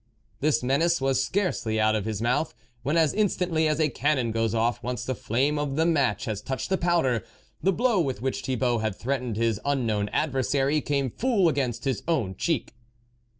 This menace was scarcely out of his mouth, when, as instantly as a cannon goes off once the flame of the match has touched the powder, the blow with which Thibault had threatened his un known adversary, came full against his own cheek.